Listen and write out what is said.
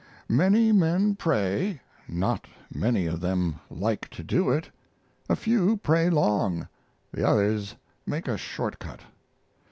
Many men pray, not many of them like to do it. A few pray long, the others make a short cut.